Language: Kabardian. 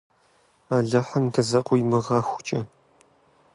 Алыхьым дызэкъуимыгъэхукӏэ!